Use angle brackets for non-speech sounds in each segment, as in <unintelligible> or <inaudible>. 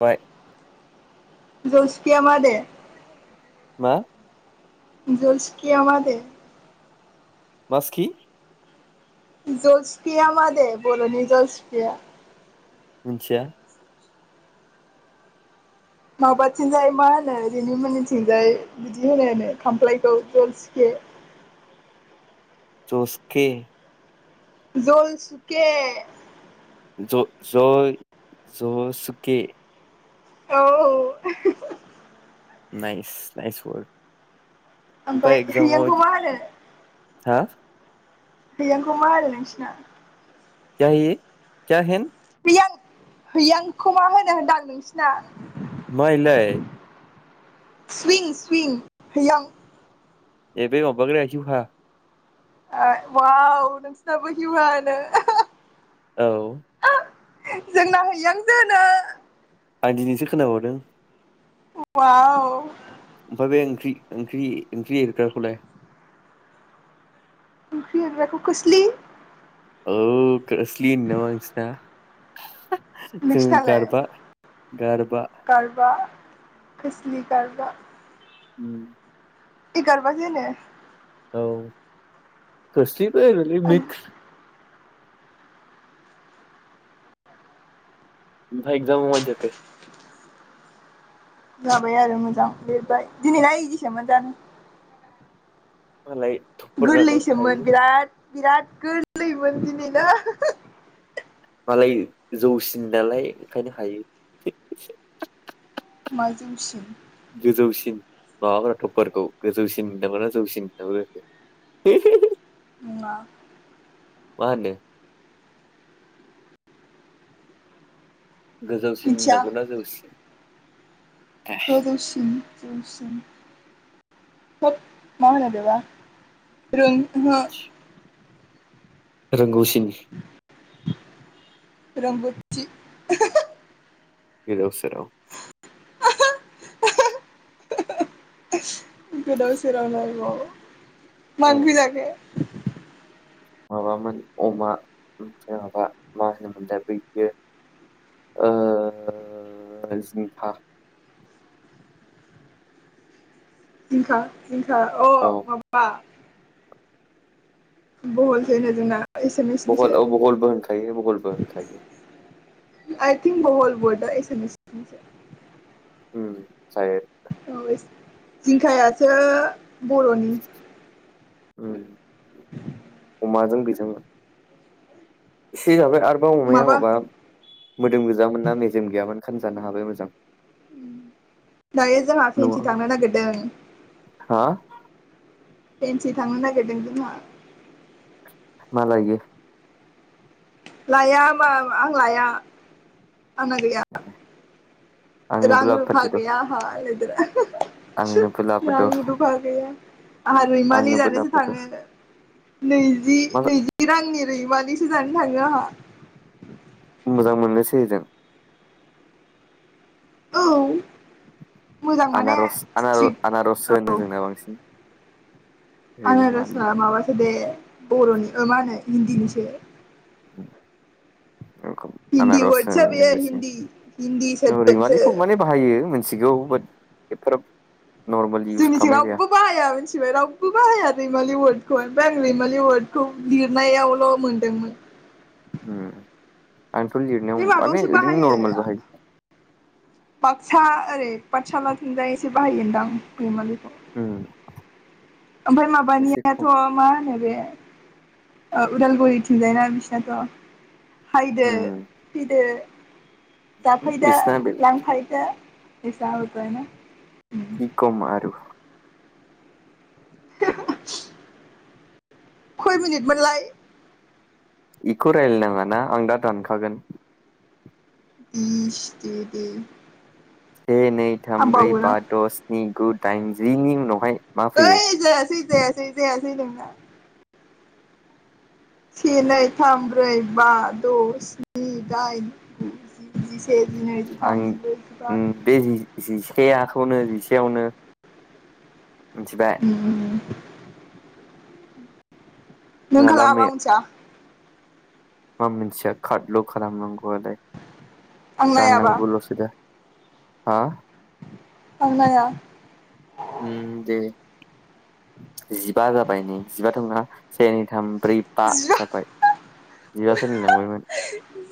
बाय जसकिया मा दे मा जलसकिआ मा दे मासखि जसफिया मा दे बर'नि जस फिया? मोनथिया। माबाथिंजाय मा होनो जेनिमोननिथिंजाय बिदि होनोनो खामफ्लायखौ जलसिके जसके जल सुके ज ज' ज'सुके औ औ। नाइस नाइस वरक। ओमफाय हैयांखौ मा होनो? हा? हैयांखौ मा होनो नोंसिना? क्या है येह क्या हेन? हैयां हैयांखौ मा होनो होनदां नोंसिना? मा इलाय? सुयिं सुयिं हैयां। ए बै माबाग्राया हिउहा ओ वाव नोंसिनाबो हिवहा होनो। औ। जोंना हैयांसो होनो। आं दिनैसो खोनाबावदों। वाव। ओमफाय बे ओंख्रिं ओंख्रि ओंख्रिर एरग्राखौलाय? ओंख्रिं एरग्राखौ खोस्लि। औ कोसलि होनोनामा नोंसिना? जों नोंसिनालाय गारबा गारबा। खोसलि गारबा। उम्म ए गारबा सो होनो। औ खोस्लिब बो होनोलै आं मिक्स। ओमफाय एखजामा माबायदि जाखो? जाबाय आरो मोजां लिरबाय दिनैना इजिसोमोन जानो मालाय थुबुरनानै थायो गोरलैसोमोन बिराद बिराद गोरलैमोन दिनैना मालाय जौसिन नालाय ओंखायनो हायो। मा जौसिन? गोजौसिन माबागोन थपरखौ गोजौसिन होननांगौ जौसिन होननांगौ जाखो? <unintelligible> नङा। मा होनदों? गोजौसिन मिथिया होननांगौना जौसिन? गोजौसिन। जौसिन थोद मा होनो बेबा। रों ओहो। रोंगौसि नि रोंगौ थि गोदाव सोराव <unintelligible> गोदाव सोराव लायबाव मा औ ओंख्रिं जाखो माबामोन अमा ओमफ्राय माबा मा होनोमोनलाय बैयो ओ जिंखा जिंखा जिंखा अ औ माबा बहल सो होनो जोंना बहल एसामिसनिसो औ बहलबो होनखायो बहलबो होनखायो आइ थिंक वरद एसामिसनि सो ओ जाय औ जिंखायासो बर नि उम अमाजों बेजों एसे जाबाय आर <unintelligible> अमाया माबा मोदोम गोजामोना मेजेम गैयामोन होनजानो हाबाय मोजां दायो जोंहा फेनसि नङामोन थांनो नागिरदों हा फेनसि थांनो नागिरदों जोंहा मा लायो? लाया होनबा आं लाया आंना गैया आंनोबो रांरुपा लाबोफादेर' गैया आहा <unintelligible> आंनोबो रां लाबोद' रुफा गैया आहा रैमालि आंनोबो जानोसो लाबोद' थाङो नैजि मा नैजि रांनि रैमालि जानो थांङो आहा मोजां मोननोसै जों औ मोजां माने आनारस स्ट्रिट आनर-आनारस होनो जोंना बांसिन रैमालि आनारसाआ माबासो दे बरनि ओ मानो? हिन्दी नि सो उम नंगौ हिन्दी आनारस वर्डसो बेयो होन हिन्दी हिन्दी सोदोबसो रैमालिखौ माने बाहायो मिथिगौ होद एफाराब जोंनिथिं रावबो बाहाया मिथिबाय रावबो बाहाया रैमालि अवार्डखौ ओमफ्राय आं रैमालि, बे अवार्ड खौ लिरनायावल' मोनदोंमोन, उम आंथ' बे लिरनायाव माने माबायावसो ओरैनो बाहायो नरमेल बाहायो सा ओरै पाठसाला थिंजाय एसे बाहायगोनदां रैमालि, उम ओमफ्राय एसे माबानियाथ' खम मा होनो बे ओ उदालगुरि थिंजायना बिस्वनाथना हायदो उम फैदो जाफैदो बिसिना बेलेग लांफैदो <unintelligible> <unintelligible> खय मिनिट मोनलाय इखौ रायलाय नङााना आं दा दानखागोन, इस दे दे से नै थाम ब्रै हामबावो बा आं द' स्नि गुड दाइनजिनि उनावहाय मा फैयो ओइ जायासै, जायासै जायासै नोंना, से नै थाम ब्रै बा द' स्नि दाइन गु जिसे जिनै जिथाम जिब्रै जिबा ए आखौनो जिसेयावनो मिथिबाय उम नों नङाला खालाम आं मैया मिथिया मा मोनथिया खादल' खालामनांगौ आलाय आं नायाबा दानांगौलसो दा हा आं नाया हुम दे जिबा जाबाय नै जिबा थांबा, से नै थाम, ब्रै बा जिबा जाबाय जिबासोलिलांबायमोन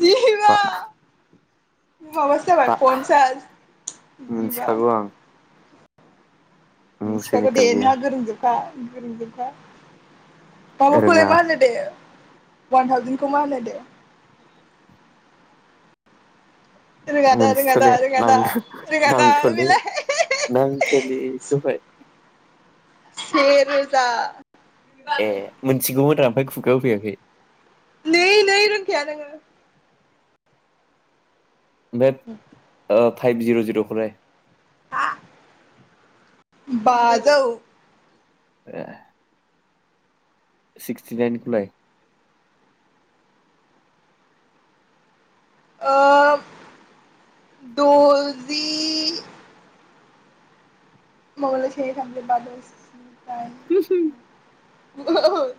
जिबा बा माबासो जाबाय बा पन्सास जिबा मिथिखागौ आं मिथिखागौदे मुसुनिकेल गैया नोंहा गोरोंजोबखा गोरोंजोबखा गालखौलाय रोङा मा होनो दे अवान थावजेनखौ मा होनो दे रोङादा रोङादा मोनथिथ'ले रोङादा नथ रोङादा नांथल बेलाय नांथलिखौहाय से रोजा ए मोनथिगौमोन राम ओमफाय खुगायाव फैयाखै नै नै रोंखाया नोङो बे ओ फाइभ जिर' जिरखौ लाय बाजौ ए सिक्सटि नाइनखौलाय? ओ द'जि मगल से थाम ब्रै बा द' स्नि डाइन होहोम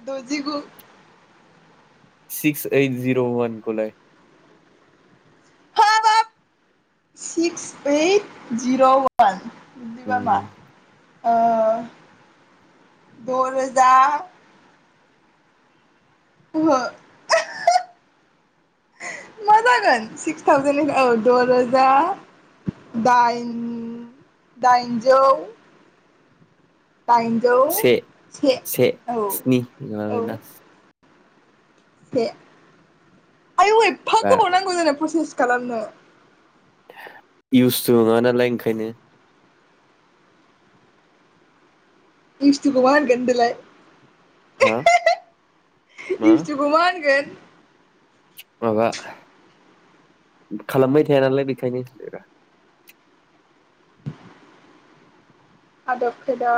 दजिगु। सिक्स एओइट जिर' वानखौ लाय? हाबाब सिक्स एओइट जिर' वान नोंनिबा मा आ द'रोजा मा जागोन सिक्स थावजेेननिफ्राय औ द'रोजा दाइन दाइनजौ दाइनजौ से से औ स्नि औ। नङाबाना से आयु बा एफागोबावनांगौ जानाय प्रसेस खालामनो इउसथ' नङा नालाय ओंखायनो। इउसटुखौ मा होनगोन होनदोलाय? हा मा इउसटुखौ मा होनगोन? माबा खालामबाय थाया नालाय बेखायनो रा आदब खायदा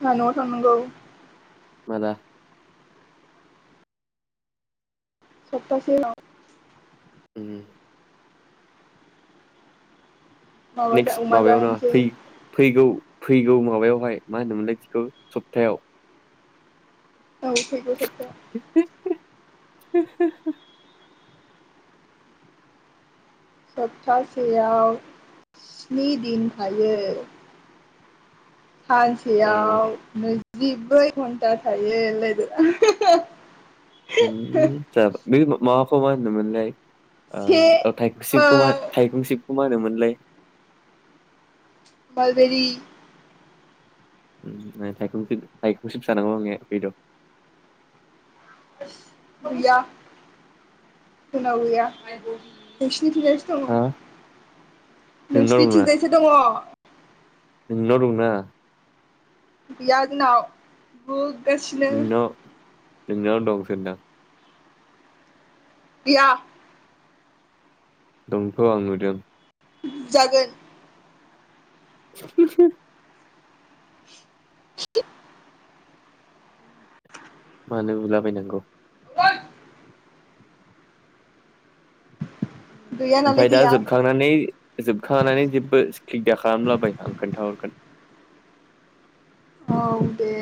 आंहा न'आव थांनांगौ माला? सप्तासे उनाव उ माबा नेक्स्ट अमा माबायावनो जाहैनोसै फै फैगौ फैगौ माबायावहाय मा होनोमोनलाय बिखौ सप्थायाव। औ फैगौ सप्थायाव <unintelligible> सप्तासेयाव स्नि दिन थायो। सानसेयाव ए नै जिब्रै खन्था थायो लोगो। <unintelligible> माबाखौ मा होनोमोनलाय ओ थाइकसिबखौ मा थाइकंसिब खौ मा होनोमोनलाय। बालबेरि थाइखंसिब थाइखसिबसो जानांगौ ए बेद' गैया जोंनाव गैया नोंसि नोंसिनि थिंजायसो दङ हा नोंनाव नोंसिनि दंना थिंजायसो दङ <unintelligible> <unintelligible> गैया जोंनाव <unintelligible> गासिनो दंना नोंनाव दंसो होनदां। गैया दंथ' आं नुदों। बुजागोन <unintelligible> <unintelligible> मानो बुला बायनांगौ। <unintelligible> गैया नालाय ओमफ्राय दा गैया जोबखांनानै जोबखांनानै जेबो स्किब दा खालामलाबाय आं खोन्थाहरगोन औ दे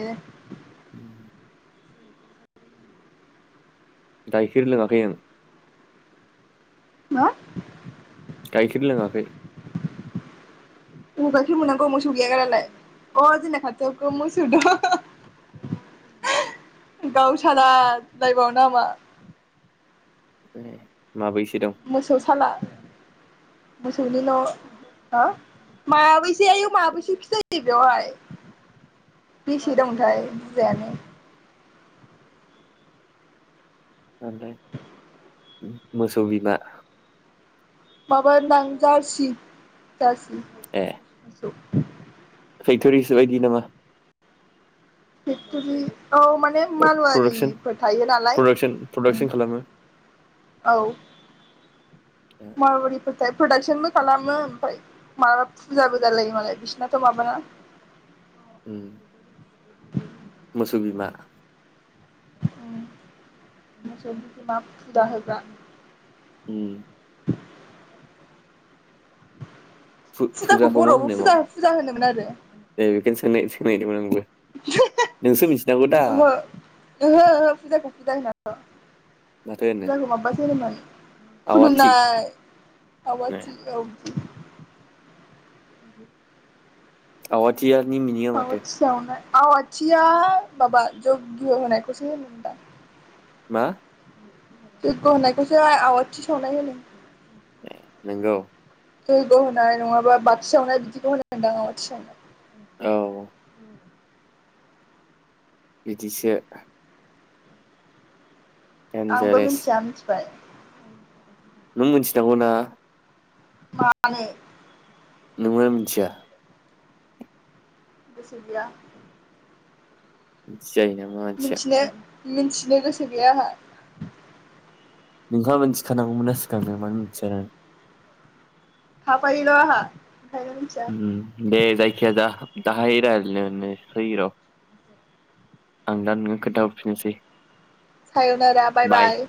गायखिर लोङाखै आं मा गाइखेर लोङाखै म गाइखेर मोन्नांगौ मोसौ गैयाागारालाय अ जोंना खाथियाव गो मोसौ दं। गावसाला <unintelligible> <unintelligible> ए माबैसे दं मोसौसाला मोसौ नि न आ मा माया बेस <unintelligible> बेवहाय बेसे दंथाय बुजायानो। ओमफ्राय ओम मोसौ बिमा माबा होनदो आं जारसि। जारसि मोसौ। फैथरिसोलै गिनाङा। फेकटरि औ माने प्रडाक्सन मारवारिफोर थायो नालाय प्रडाक्सन प्रडाक्सन खालामो औ ए मारवारिफोर था प्रडाक्सनबो खालामो ओमफ्राय माबा फुजाबो जालायो मालाय बिसना थ' माबाना उम। <inaudible> मोसौ बिमा उम मोसौनि बिमा फुजा होग्रा उम। फुजाखौ मा बर'आवबो होनोमोन फुजा फुजा होनोमोन आरो। नानै सोंनायदोंमोन आंबो नोंसो मिथि ओहो ओहो ओहो फुजाखौ फुजा होनथ' माथो होनो फुजाखौ माबासो होनोमोन। आवाथि खुलुमनाय ए आवाथि औ। आवाथि नि मिनिंआ मारो? आवाथि सावनाय आवाथिया माबा जग्य' होनायखौसो होनोमोन दां। मा? जग्य' होनायखौसो आवथि सावनाय होनो। नोंगौ। जग्य' होनाय नङाबा बाथि सावनाय बिदिखौ होनो मोनदां आवाथि सावनाय। औ। बिदिसो। आंबो देनजारेस मिथिया मिथिबाय। नों मिथिनांगौ ना। मानो? नोंबो मिथिया? गोसो गैया। <inaudible> जायो नामा मानसिया। मिनथिनो गोसो गैया आंहा। नोंहा मोनथि खानांगौ मोनना सिगांनो <unintelligible> <unintelligible> <unintelligible> मिथिया ओम दे जायखिया जा <unintelligible> उम खोन्थाहरफिननोसै सायनदा बाय बाय।